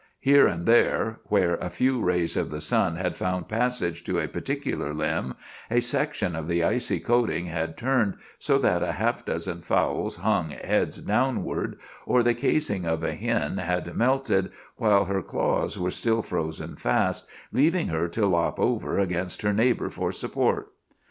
Here and there, where a few rays of the sun had found passage to a particular limb, a section of the icy coating had turned so that a half dozen fowls hung heads downward, or the casing of a hen had melted, while her claws were still frozen fast, leaving her to lop over against her neighbor for support.